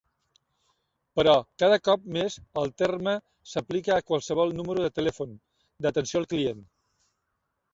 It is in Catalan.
Però cada cop més el terme s'aplica a qualsevol número de telèfon d'atenció al client.